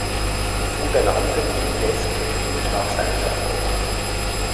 Sie benannten ihn deskriptiv nach seiner Form.